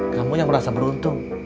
kamu yang merasa beruntung